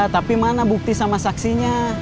tapi mana bukti sama saksinya